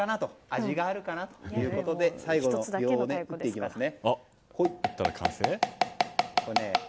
味があるかなということで最後の鋲を打っていきますね。